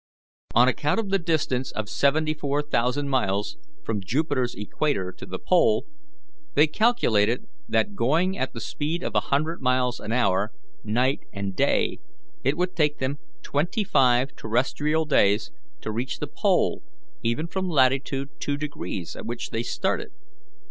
On account of the distance of sixty four thousand miles from Jupiter's equator to the pole, they calculated that going at the speed of a hundred miles an hour, night and day, it would take them twenty five terrestrial days to reach the pole even from latitude two degrees at which they started.